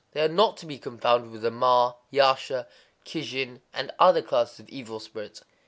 They are not to be confounded with the Ma, Yasha, Kijin, and other classes of evil spirits.